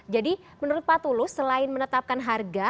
jadi menurut pak tulus selain menetapkan harga